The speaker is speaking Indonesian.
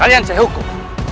kalian saya hukum